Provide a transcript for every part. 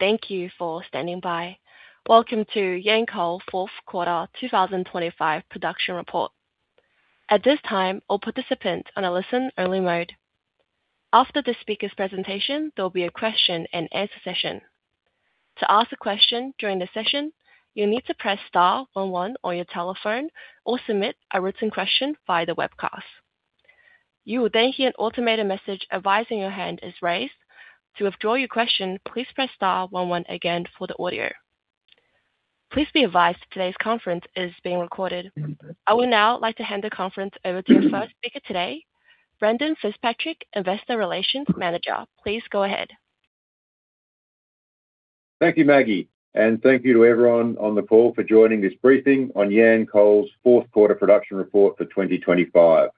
Thank you for standing by. Welcome to Yancoal Fourth Quarter 2025 Production Report. At this time, all participants are on a listen-only mode. After this speaker's presentation, there will be a question-and-answer session. To ask a question during the session, you'll need to press star one-one on your telephone or submit a written question via the webcast. You will then hear an automated message advising your hand is raised. To withdraw your question, please press star one-one again for the audio. Please be advised today's conference is being recorded. I would now like to hand the conference over to our first speaker today, Brendan Fitzpatrick, Investor Relations Manager. Please go ahead. Thank you, Maggie, and thank you to everyone on the call for joining this briefing on Yancoal's Fourth Quarter Production Report for 2025.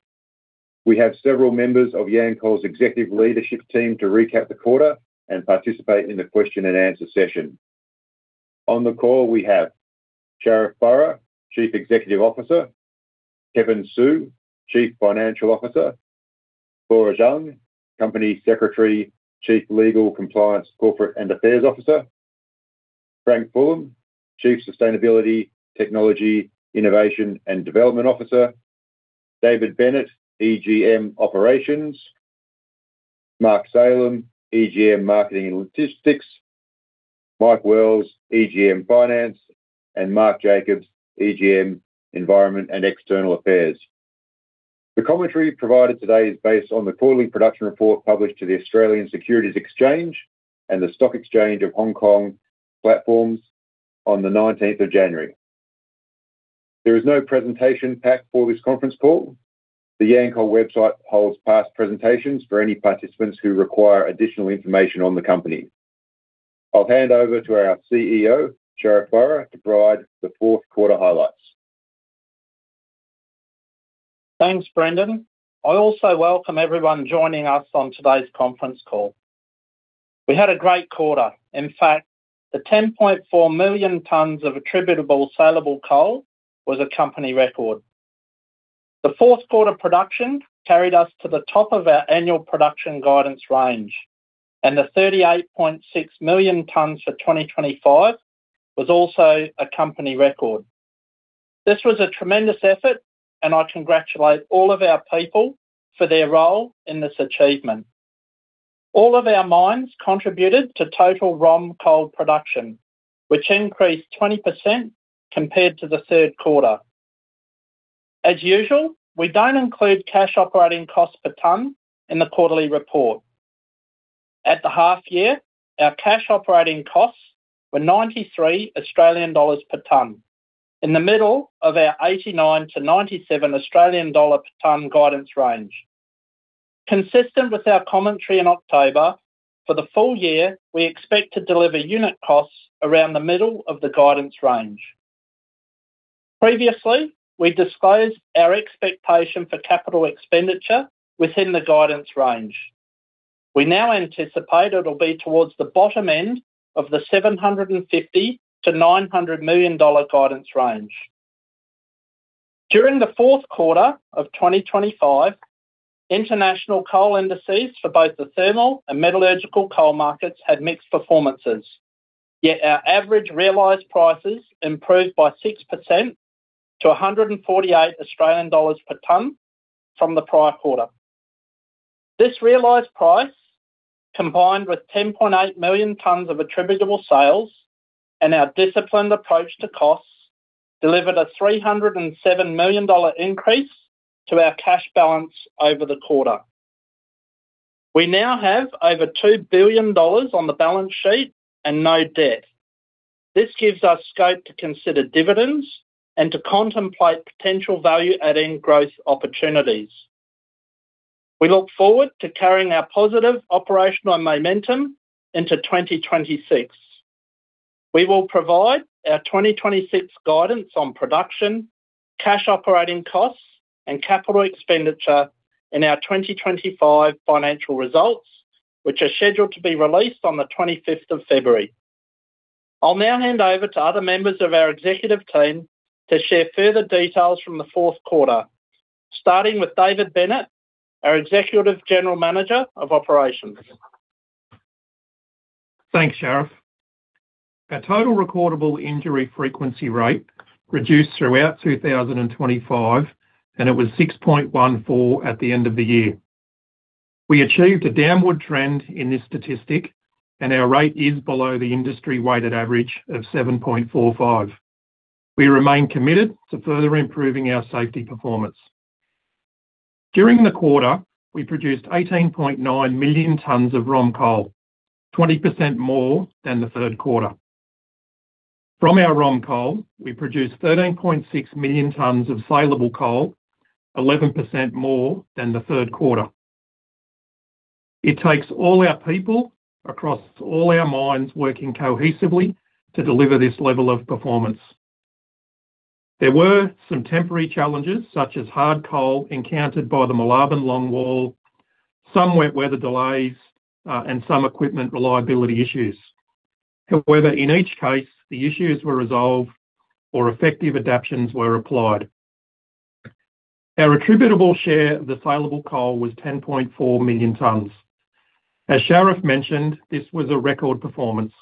We have several members of Yancoal's executive leadership team to recap the quarter and participate in the question-and-answer session. On the call, we have Sharif Farah, Chief Executive Officer, Kevin Su, Chief Financial Officer, Laura Zhang, Company Secretary and Chief Legal, Compliance, and Corporate Affairs Officer, Frank Fulham, Chief Sustainability, Technology, Innovation, and Development Officer, David Bennett, EGM Operations, Mark Salem, EGM Marketing and Logistics, Mike Wells, EGM Finance, and Mark Jacobs, EGM Environment and External Affairs. The commentary provided today is based on the quarterly production report published to the Australian Securities Exchange and the Stock Exchange of Hong Kong platforms on the 19th of January. There is no presentation pack for this conference call. The Yancoal website holds past presentations for any participants who require additional information on the company. I'll hand over to our CEO, Sharif Farah, to provide the Fourth Quarter highlights. Thanks, Brendan. I also welcome everyone joining us on today's conference call. We had a great quarter. In fact, the 10.4 million tonnes of attributable saleable coal was a company record. The fourth quarter production carried us to the top of our annual production guidance range, and the 38.6 million tonnes for 2025 was also a company record. This was a tremendous effort, and I congratulate all of our people for their role in this achievement. All of our mines contributed to total ROM coal production, which increased 20% compared to the third quarter. As usual, we don't include cash operating costs per ton in the quarterly report. At the half-year, our cash operating costs were 93 Australian dollars per ton, in the middle of our 89-97 Australian dollar per ton guidance range. Consistent with our commentary in October, for the full year, we expect to deliver unit costs around the middle of the guidance range. Previously, we disclosed our expectation for capital expenditure within the guidance range. We now anticipate it will be towards the bottom end of the 750 million-900 million dollar guidance range. During the fourth quarter of 2025, international coal indices for both the thermal and metallurgical coal markets had mixed performances, yet our average realized prices improved by 6% to 148 Australian dollars per ton from the prior quarter. This realized price, combined with 10.8 million tonnes of attributable sales and our disciplined approach to costs, delivered a 307 million dollar increase to our cash balance over the quarter. We now have over 2 billion dollars on the balance sheet and no debt. This gives us scope to consider dividends and to contemplate potential value-adding growth opportunities. We look forward to carrying our positive operational momentum into 2026. We will provide our 2026 guidance on production, cash operating costs, and capital expenditure in our 2025 financial results, which are scheduled to be released on the 25th of February. I'll now hand over to other members of our executive team to share further details from the fourth quarter, starting with David Bennett, our Executive General Manager of Operations. Thanks, Sharif. Our total recordable injury frequency rate reduced throughout 2025, and it was 6.14 at the end of the year. We achieved a downward trend in this statistic, and our rate is below the industry-weighted average of 7.45. We remain committed to further improving our safety performance. During the quarter, we produced 18.9 million tonnes of ROM coal, 20% more than the third quarter. From our ROM coal, we produced 13.6 million tonnes of saleable coal, 11% more than the third quarter. It takes all our people across all our mines working cohesively to deliver this level of performance. There were some temporary challenges, such as hard coal encountered by the Moolarben longwall, some wet weather delays, and some equipment reliability issues. However, in each case, the issues were resolved or effective adaptations were applied. Our attributable share of the saleable coal was 10.4 million tonnes. As Sharif mentioned, this was a record performance.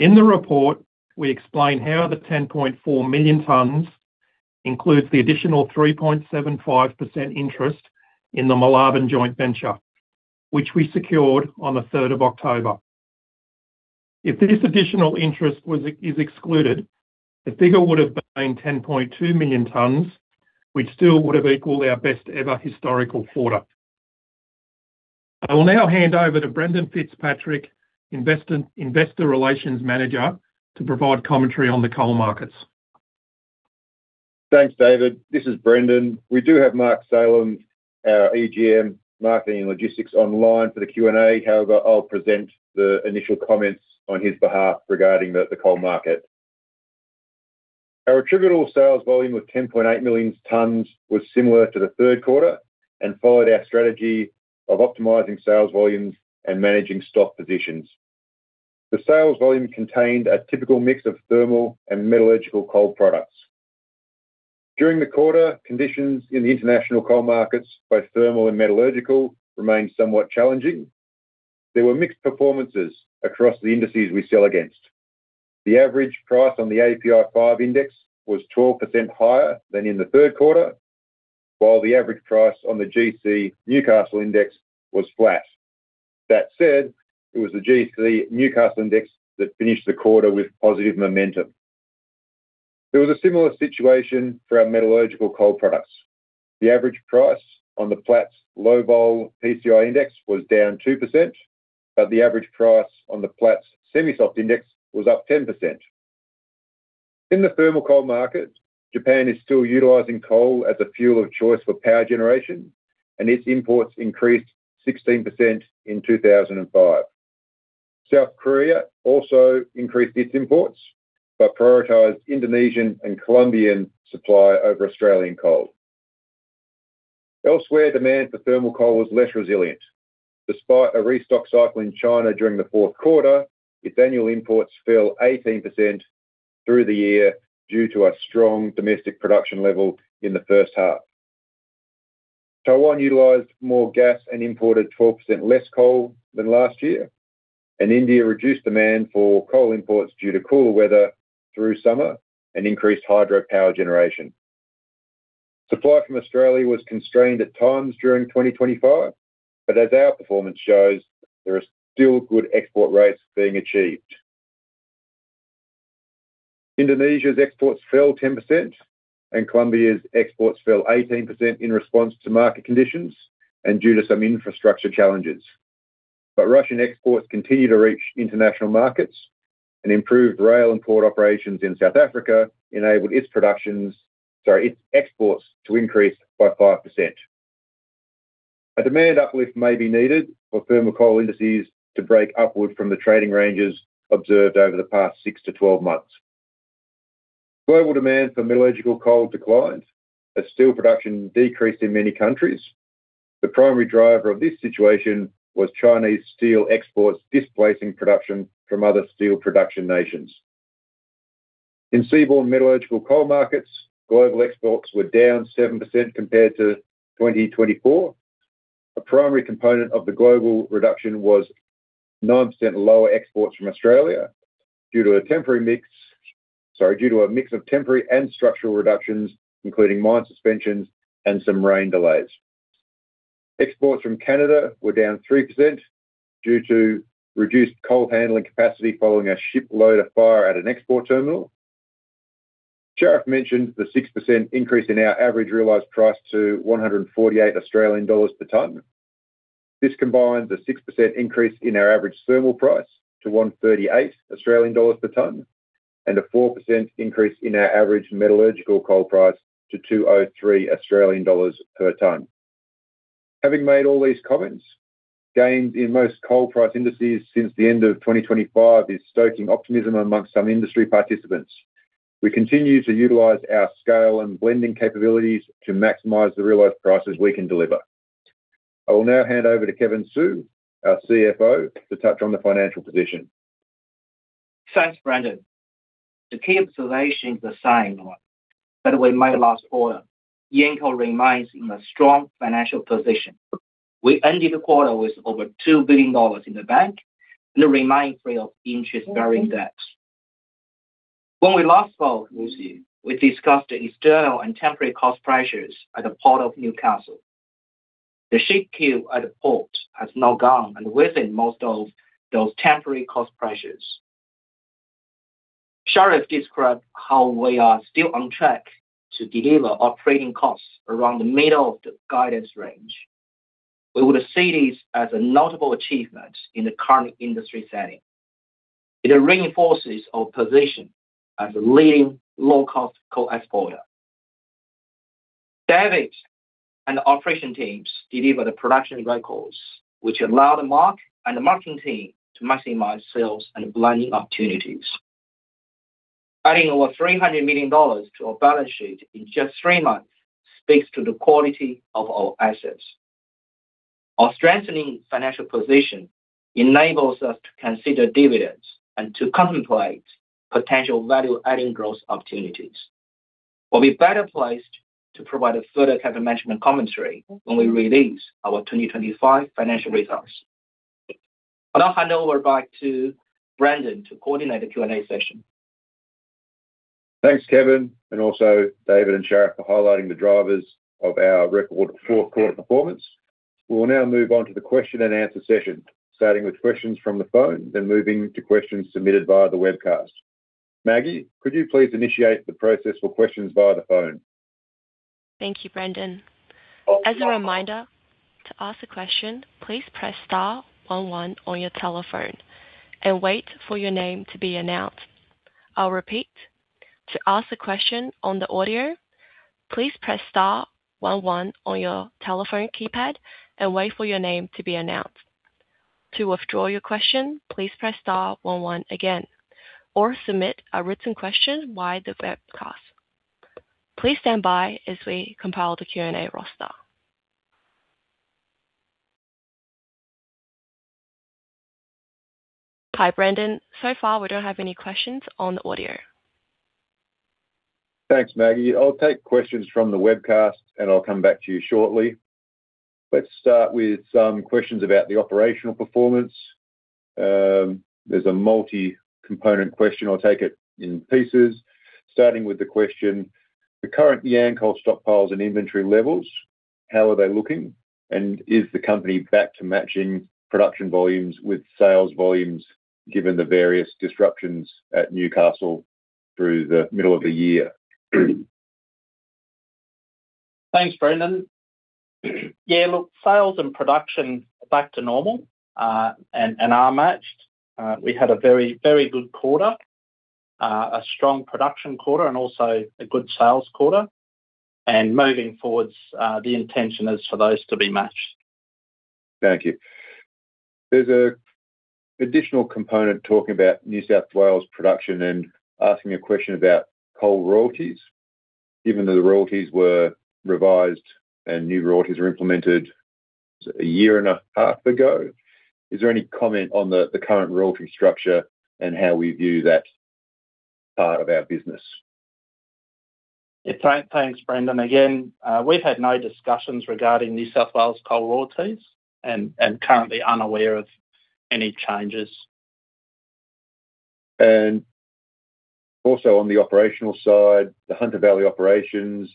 In the report, we explain how the 10.4 million tonnes includes the additional 3.75% interest in the Moolarben Joint Venture, which we secured on the 3rd of October. If this additional interest was excluded, the figure would have been 10.2 million tonnes, which still would have equaled our best-ever historical quarter. I will now hand over to Brendan Fitzpatrick, Investor Relations Manager, to provide commentary on the coal markets. Thanks, David. This is Brendan. We do have Mark Salem, our EGM Marketing and Logistics, online for the Q&A. However, I'll present the initial comments on his behalf regarding the coal market. Our attributable sales volume of 10.8 million tonnes was similar to the third quarter and followed our strategy of optimizing sales volumes and managing stock positions. The sales volume contained a typical mix of thermal and metallurgical coal products. During the quarter, conditions in the international coal markets, both thermal and metallurgical, remained somewhat challenging. There were mixed performances across the indices we sell against. The average price on the API 5 index was 12% higher than in the third quarter, while the average price on the GC Newcastle index was flat. That said, it was the GC Newcastle index that finished the quarter with positive momentum. There was a similar situation for our metallurgical coal products. The average price on the Platts Low Vol PCI index was down 2%, but the average price on the Platts Semi-Soft index was up 10%. In the thermal coal market, Japan is still utilizing coal as a fuel of choice for power generation, and its imports increased 16% in 2025. South Korea also increased its imports but prioritized Indonesian and Colombian supply over Australian coal. Elsewhere, demand for thermal coal was less resilient. Despite a restock cycle in China during the fourth quarter, its annual imports fell 18% through the year due to a strong domestic production level in the first half. Taiwan utilized more gas and imported 12% less coal than last year, and India reduced demand for coal imports due to cooler weather through summer and increased hydro power generation. Supply from Australia was constrained at times during 2025, but as our performance shows, there are still good export rates being achieved. Indonesia's exports fell 10%, and Colombia's exports fell 18% in response to market conditions and due to some infrastructure challenges. But Russian exports continue to reach international markets, and improved rail and port operations in South Africa enabled its exports to increase by 5%. A demand uplift may be needed for thermal coal indices to break upward from the trading ranges observed over the past six to 12 months. Global demand for metallurgical coal declined, as steel production decreased in many countries. The primary driver of this situation was Chinese steel exports displacing production from other steel production nations. In seaborne metallurgical coal markets, global exports were down 7% compared to 2024. A primary component of the global reduction was 9% lower exports from Australia due to a temporary mix of temporary and structural reductions, including mine suspensions and some rain delays. Exports from Canada were down 3% due to reduced coal handling capacity following a ship fire at an export terminal. Sharif mentioned the 6% increase in our average realized price to 148 Australian dollars per ton. This combines a 6% increase in our average thermal price to 138 Australian dollars per ton and a 4% increase in our average metallurgical coal price to 203 Australian dollars per ton. Having made all these comments, gains in most coal price indices since the end of 2025 are stoking optimism among some industry participants. We continue to utilize our scale and blending capabilities to maximize the realized prices we can deliver. I will now hand over to Kevin Su, our CFO, to touch on the financial position. Thanks, Brendan. The key observation is the same that we made last quarter. Yancoal remains in a strong financial position. We ended the quarter with over 2 billion dollars in the bank and remained free of interest-bearing debt. When we last spoke with you, we discussed the external and temporary cost pressures at the Port of Newcastle. The ship queue at the port has now gone and within most of those temporary cost pressures. Sharif described how we are still on track to deliver operating costs around the middle of the guidance range. We would see this as a notable achievement in the current industry setting. It reinforces our position as a leading low-cost coal exporter. David and the operation teams delivered the production records, which allowed Mark and the marketing team to maximize sales and blending opportunities. Adding over 300 million dollars to our balance sheet in just three months speaks to the quality of our assets. Our strengthening financial position enables us to consider dividends and to contemplate potential value-adding growth opportunities. We'll be better placed to provide a further capital management commentary when we release our 2025 financial results. I'll now hand over back to Brendan to coordinate the Q&A session. Thanks, Kevin, and also David and Sharif for highlighting the drivers of our record fourth quarter performance. We'll now move on to the question and answer session, starting with questions from the phone, then moving to questions submitted via the webcast. Maggie, could you please initiate the process for questions via the phone? Thank you, Brendan. As a reminder, to ask a question, please press star one-one on your telephone and wait for your name to be announced. I'll repeat. To ask a question on the audio, please press star one-one on your telephone keypad and wait for your name to be announced. To withdraw your question, please press star one-one again or submit a written question via the webcast. Please stand by as we compile the Q&A roster. Hi, Brendan. So far, we don't have any questions on the audio. Thanks, Maggie. I'll take questions from the webcast, and I'll come back to you shortly. Let's start with some questions about the operational performance. There's a multi-component question. I'll take it in pieces, starting with the question: the current Yancoal stockpiles and inventory levels, how are they looking? And is the company back to matching production volumes with sales volumes given the various disruptions at Newcastle through the middle of the year? Thanks, Brendan. Yeah, look, sales and production are back to normal and are matched. We had a very, very good quarter, a strong production quarter, and also a good sales quarter and moving forward, the intention is for those to be matched. Thank you. There's an additional component talking about New South Wales production and asking a question about coal royalties, given that the royalties were revised and new royalties were implemented a year and a half ago. Is there any comment on the current royalty structure and how we view that part of our business? Yeah, thanks, Brendan. Again, we've had no discussions regarding New South Wales coal royalties and are currently unaware of any changes. Also on the operational side, the Hunter Valley Operations,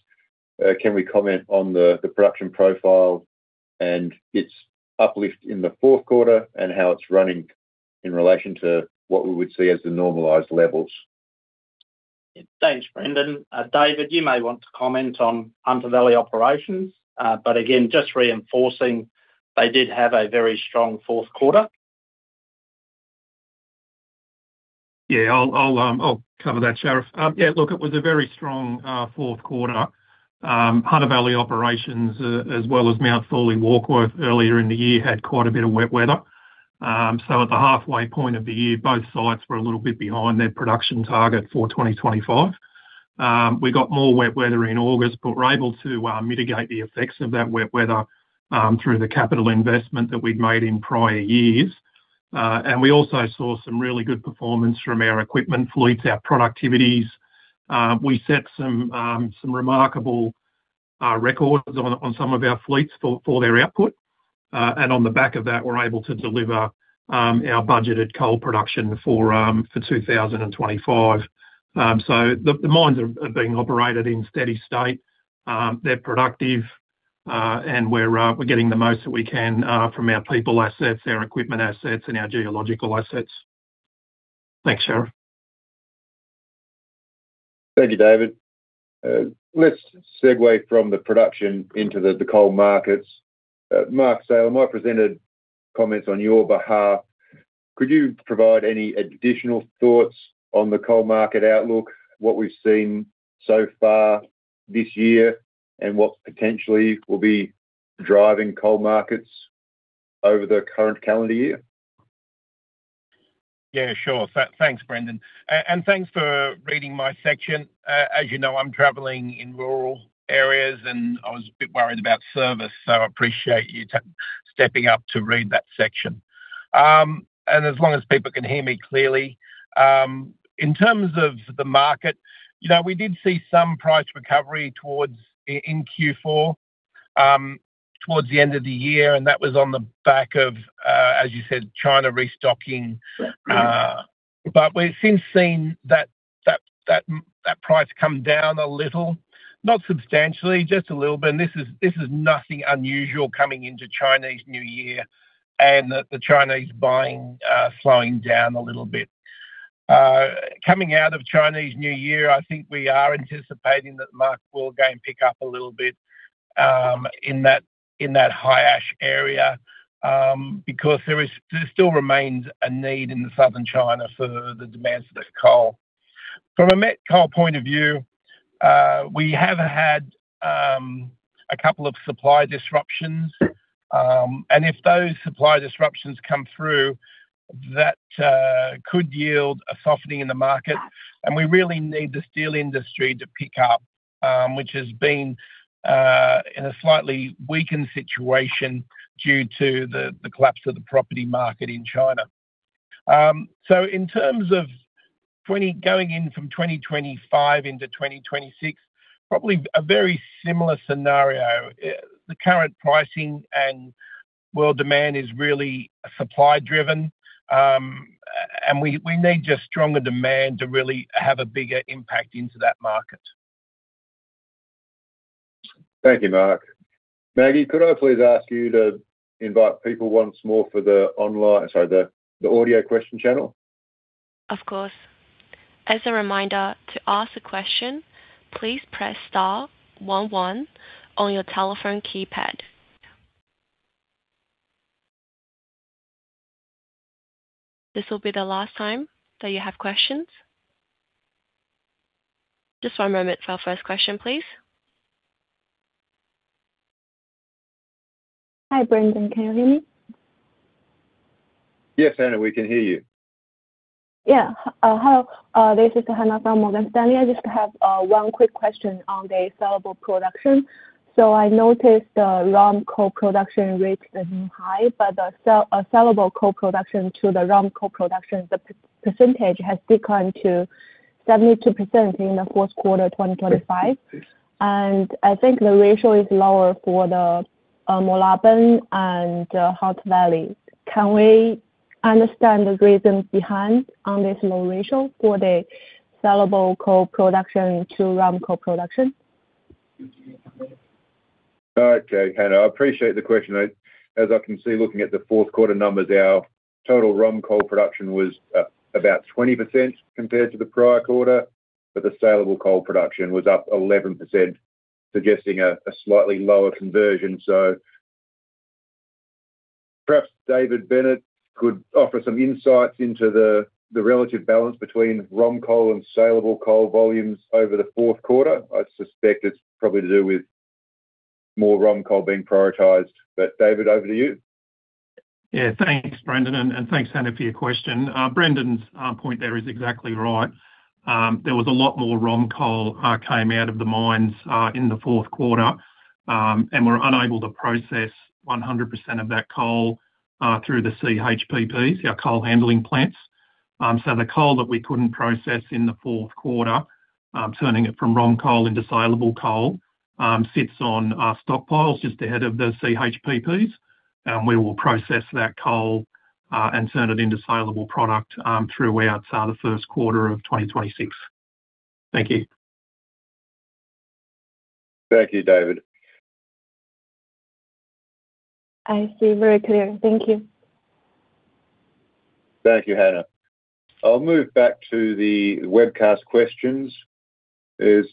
can we comment on the production profile and its uplift in the fourth quarter and how it's running in relation to what we would see as the normalized levels? Thanks, Brendan. David, you may want to comment on Hunter Valley Operations, but again, just reinforcing they did have a very strong fourth quarter. Yeah, I'll cover that, Sharif. Yeah, look, it was a very strong fourth quarter. Hunter Valley Operations, as well as Mount Thorley Warkworth earlier in the year, had quite a bit of wet weather. So at the halfway point of the year, both sides were a little bit behind their production target for 2025. We got more wet weather in August, but we were able to mitigate the effects of that wet weather through the capital investment that we'd made in prior years. And we also saw some really good performance from our equipment fleets, our productivities. We set some remarkable records on some of our fleets for their output. And on the back of that, we're able to deliver our budgeted coal production for 2025. So the mines are being operated in steady state. They're productive, and we're getting the most that we can from our people assets, our equipment assets, and our geological assets. Thanks, Sharif. Thank you, David. Let's segue from the production into the coal markets. Mark Salem, I presented comments on your behalf. Could you provide any additional thoughts on the coal market outlook, what we've seen so far this year, and what potentially will be driving coal markets over the current calendar year? Yeah, sure. Thanks, Brendan, and thanks for reading my section. As you know, I'm traveling in rural areas, and I was a bit worried about service, so I appreciate you stepping up to read that section, and as long as people can hear me clearly. In terms of the market, we did see some price recovery towards in Q4, towards the end of the year, and that was on the back of, as you said, China restocking, but we've since seen that price come down a little, not substantially, just a little bit, and this is nothing unusual coming into Chinese New Year and the Chinese buying slowing down a little bit. Coming out of Chinese New Year, I think we are anticipating that the market will again pick up a little bit in that high-ash area because there still remains a need in southern China for the demand for the coal. From a met coal point of view, we have had a couple of supply disruptions. And if those supply disruptions come through, that could yield a softening in the market. And we really need the steel industry to pick up, which has been in a slightly weakened situation due to the collapse of the property market in China. So in terms of going in from 2025 into 2026, probably a very similar scenario. The current pricing and world demand is really supply-driven, and we need just stronger demand to really have a bigger impact into that market. Thank you, Mark. Maggie, could I please ask you to invite people once more for the online, sorry, the audio question channel? Of course. As a reminder, to ask a question, please press star 11 on your telephone keypad. This will be the last time that you have questions. Just one moment for our first question, please. Hi, Brendan. Can you hear me? Yes, Anna, we can hear you. Yeah. Hello. This is Hannah from Morgan Stanley. I just have one quick question on the saleable production. So I noticed the ROM coal production reached a new high, but the saleable coal production to the ROM coal production, the percentage has declined to 72% in the fourth quarter of 2025, and I think the ratio is lower for the Moolarben and Hunter Valley. Can we understand the reason behind this low ratio for the saleable coal production to ROM coal production? Okay, Hannah. I appreciate the question. As I can see, looking at the fourth quarter numbers, our total ROM coal production was about 20% compared to the prior quarter, but the saleable coal production was up 11%, suggesting a slightly lower conversion. So perhaps David Bennett could offer some insights into the relative balance between ROM coal and saleable coal volumes over the fourth quarter. I suspect it's probably to do with more ROM coal being prioritized. But David, over to you. Yeah, thanks, Brendan, and thanks, Hannah, for your question. Brendan's point there is exactly right. There was a lot more ROM coal that came out of the mines in the fourth quarter, and we're unable to process 100% of that coal through the CHPPs, our coal handling plants. So the coal that we couldn't process in the fourth quarter, turning it from ROM coal into saleable coal, sits on our stockpiles just ahead of the CHPPs. And we will process that coal and turn it into saleable product throughout the first quarter of 2026. Thank you. Thank you, David. I see. Very clear. Thank you. Thank you, Hannah. I'll move back to the webcast questions. There's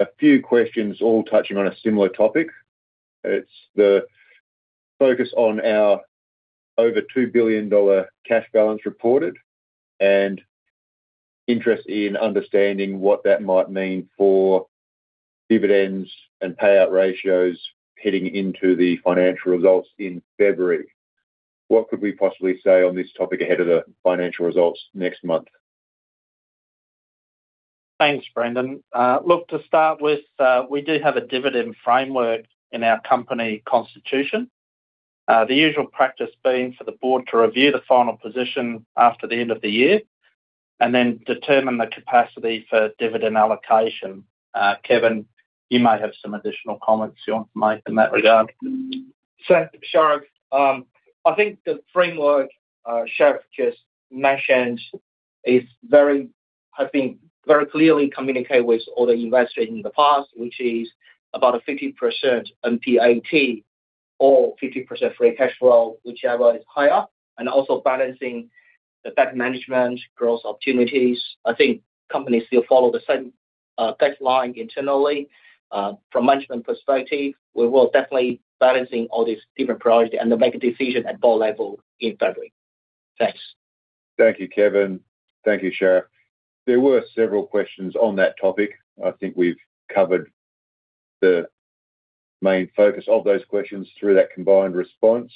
a few questions all touching on a similar topic. It's the focus on our over 2 billion dollar cash balance reported and interest in understanding what that might mean for dividends and payout ratios heading into the financial results in February. What could we possibly say on this topic ahead of the financial results next month? Thanks, Brendan. Look, to start with, we do have a dividend framework in our company constitution, the usual practice being for the board to review the final position after the end of the year and then determine the capacity for dividend allocation. Kevin, you may have some additional comments you want to make in that regard. So, Sharif, I think the framework Sharif just mentioned is very, I think very clearly communicated with all the investors in the past, which is about a 50% NPAT or 50% free cash flow, whichever is higher, and also balancing the debt management, growth opportunities. I think companies still follow the same guideline internally. From a management perspective, we will definitely balance all these different priorities and make a decision at board level in February. Thanks. Thank you, Kevin. Thank you, Sharif. There were several questions on that topic. I think we've covered the main focus of those questions through that combined response.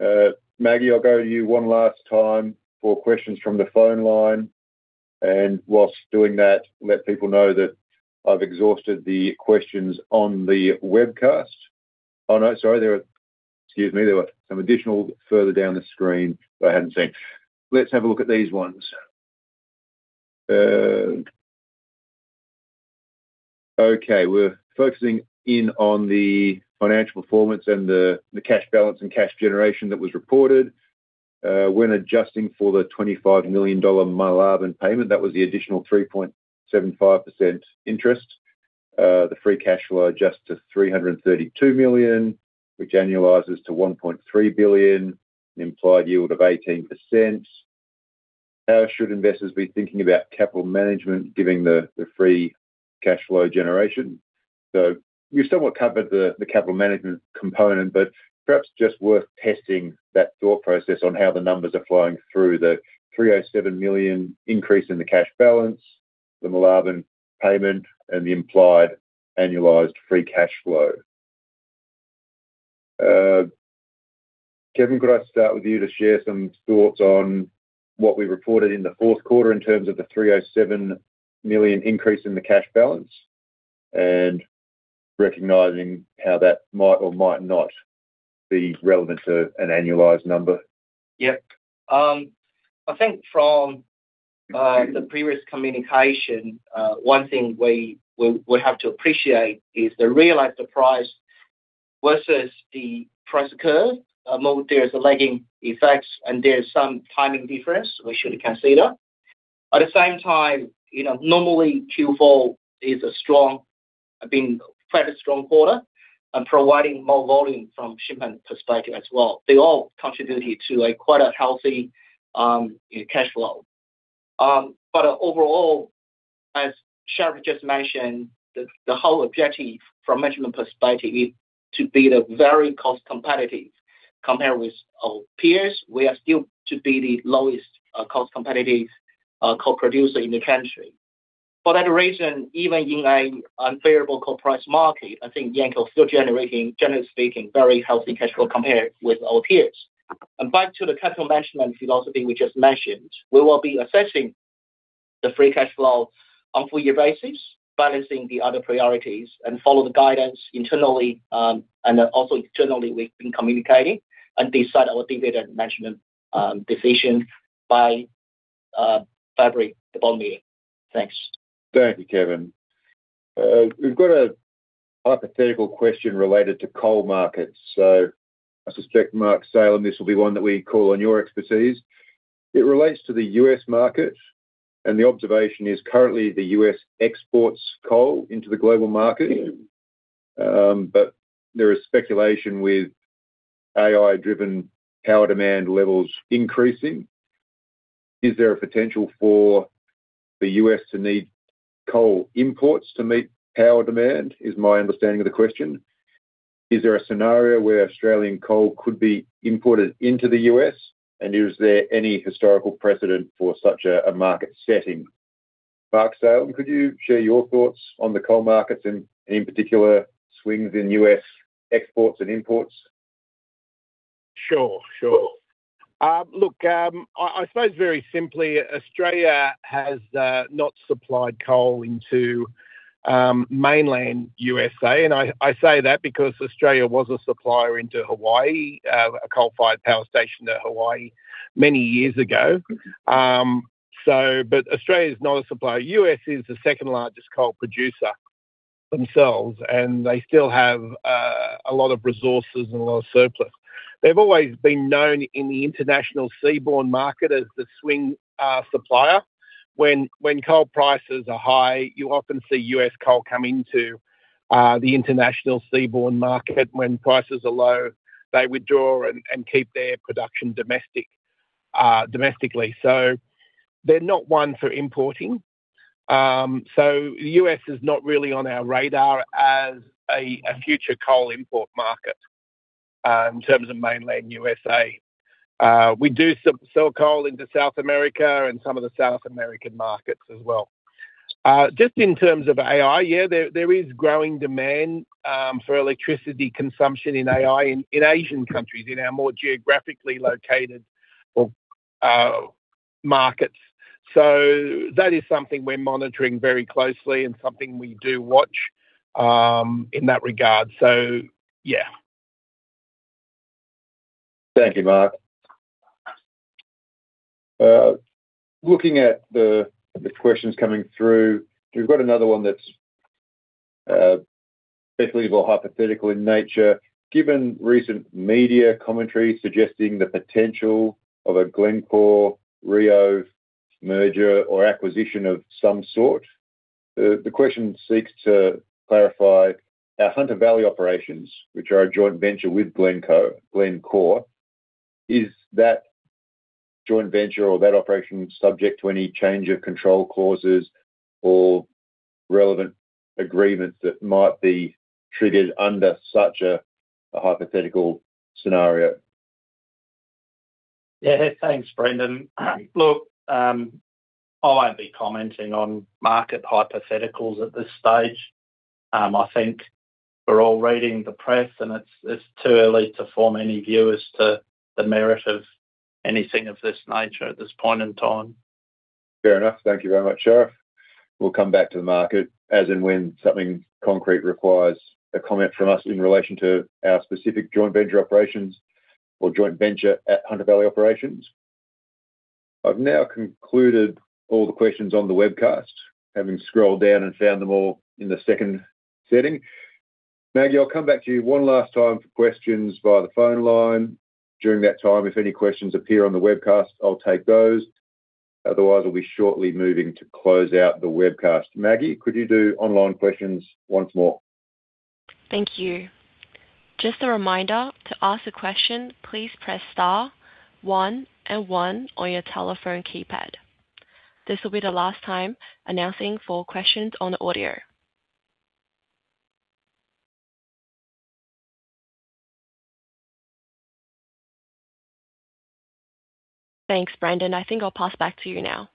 Maggie, I'll go to you one last time for questions from the phone line. While doing that, let people know that I've exhausted the questions on the webcast. Oh, no, sorry. Excuse me. There were some additional further down the screen that I hadn't seen. Let's have a look at these ones. Okay. We're focusing in on the financial performance and the cash balance and cash generation that was reported. When adjusting for the 25 million dollar Moolarben payment, that was the additional 3.75% interest. The free cash flow adjusts to 332 million, which annualizes to 1.3 billion, an implied yield of 18%. How should investors be thinking about capital management given the free cash flow generation? So you've somewhat covered the capital management component, but perhaps just worth testing that thought process on how the numbers are flowing through the 307 million increase in the cash balance, the Moolarben payment, and the implied annualized free cash flow. Kevin, could I start with you to share some thoughts on what we reported in the fourth quarter in terms of the 307 million increase in the cash balance and recognizing how that might or might not be relevant to an annualized number? Yep. I think from the previous communication, one thing we would have to appreciate is the realized price versus the price curve. There's a lagging effect, and there's some timing difference we should consider. At the same time, normally, Q4 is a strong, it's been quite a strong quarter, and providing more volume from the shipment perspective as well. They all contributed to quite a healthy cash flow. But overall, as Sharif just mentioned, the whole objective from a measurement perspective is to be very cost competitive compared with our peers. We are still to be the lowest cost competitive coal producer in the country. For that reason, even in an unfavorable coal price market, I think Yancoal is still generating, generally speaking, very healthy cash flow compared with our peers. Back to the capital management philosophy we just mentioned, we will be assessing the free cash flow on a four-year basis, balancing the other priorities, and follow the guidance internally. Also externally, we've been communicating and decide our dividend management decision by February board meeting. Thanks. Thank you, Kevin. We've got a hypothetical question related to coal markets. So I suspect Mark Salem, this will be one that we call on your expertise. It relates to the U.S. market, and the observation is currently the U.S. exports coal into the global market, but there is speculation with AI-driven power demand levels increasing. Is there a potential for the U.S. to need coal imports to meet power demand? Is my understanding of the question? Is there a scenario where Australian coal could be imported into the U.S., and is there any historical precedent for such a market setting? Mark Salem, could you share your thoughts on the coal markets and, in particular, swings in U.S. exports and imports? Sure, sure. Look, I suppose very simply, Australia has not supplied coal into mainland USA, and I say that because Australia was a supplier into Hawaii, a coal-fired power station in Hawaii many years ago, but Australia is not a supplier. The U.S. is the second largest coal producer themselves, and they still have a lot of resources and a lot of surplus. They've always been known in the international seaborne market as the swing supplier. When coal prices are high, you often see U.S. coal come into the international seaborne market. When prices are low, they withdraw and keep their production domestically, so they're not one for importing, so the U.S. is not really on our radar as a future coal import market in terms of mainland USA. We do sell coal into South America and some of the South American markets as well. Just in terms of AI, yeah, there is growing demand for electricity consumption in AI in Asian countries, in our more geographically located markets. So that is something we're monitoring very closely and something we do watch in that regard. So yeah. Thank you, Mark. Looking at the questions coming through, we've got another one that's definitely more hypothetical in nature. Given recent media commentary suggesting the potential of a Glencore Rio merger or acquisition of some sort, the question seeks to clarify our Hunter Valley Operations, which are a joint venture with Glencore. Is that joint venture or that operation subject to any change of control clauses or relevant agreements that might be triggered under such a hypothetical scenario? Yeah, thanks, Brendan. Look, I won't be commenting on market hypotheticals at this stage. I think we're all reading the press, and it's too early to form any view as to the merit of anything of this nature at this point in time. Fair enough. Thank you very much, Sharif. We'll come back to the market as and when something concrete requires a comment from us in relation to our specific joint venture operations or joint venture at Hunter Valley Operations. I've now concluded all the questions on the webcast, having scrolled down and found them all in the second setting. Maggie, I'll come back to you one last time for questions via the phone line. During that time, if any questions appear on the webcast, I'll take those. Otherwise, we'll be shortly moving to close out the webcast. Maggie, could you do online questions once more? Thank you. Just a reminder to ask a question, please press star one-one on your telephone keypad. This will be the last time announcing for questions on the audio. Thanks, Brendan. I think I'll pass back to you now.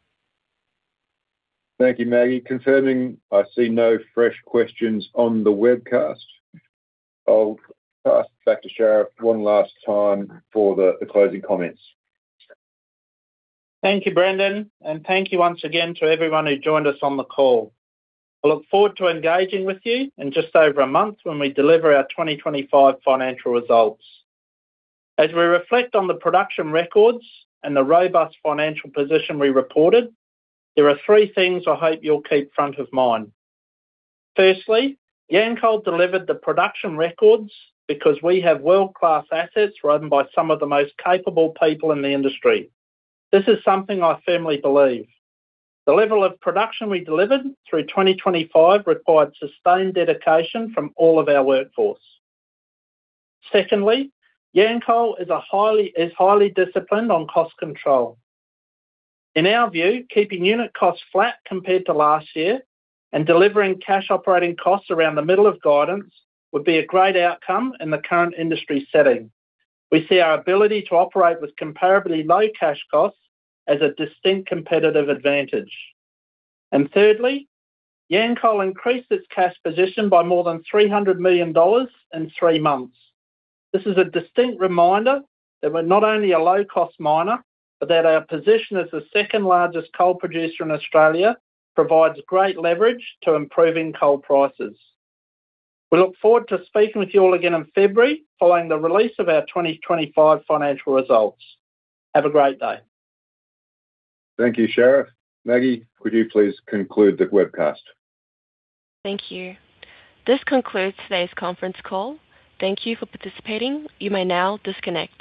Thank you, Maggie. Confirming I see no fresh questions on the webcast. I'll pass back to Sharif one last time for the closing comments. Thank you, Brendan, and thank you once again to everyone who joined us on the call. I look forward to engaging with you in just over a month when we deliver our 2025 financial results. As we reflect on the production records and the robust financial position we reported, there are three things I hope you'll keep front of mind. Firstly, Yancoal delivered the production records because we have world-class assets run by some of the most capable people in the industry. This is something I firmly believe. The level of production we delivered through 2025 required sustained dedication from all of our workforce. Secondly, Yancoal is highly disciplined on cost control. In our view, keeping unit costs flat compared to last year and delivering cash operating costs around the middle of guidance would be a great outcome in the current industry setting. We see our ability to operate with comparably low cash costs as a distinct competitive advantage, and thirdly, Yancoal increased its cash position by more than 300 million dollars in three months. This is a distinct reminder that we're not only a low-cost miner, but that our position as the second largest coal producer in Australia provides great leverage to improving coal prices. We look forward to speaking with you all again in February following the release of our 2025 financial results. Have a great day. Thank you, Sharif. Maggie, could you please conclude the webcast? Thank you. This concludes today's conference call. Thank you for participating. You may now disconnect.